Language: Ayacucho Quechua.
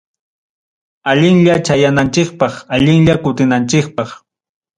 Allinlla chayananchikpaq allinlla kutinanchikpaq.